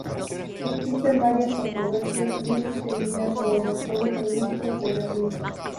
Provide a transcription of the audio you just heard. Existen varias controversias muy extendidas sobre los Juegos Olímpicos de Berlín.